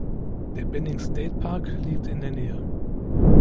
Der Banning State Park liegt in der Nähe.